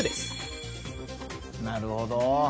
なるほど。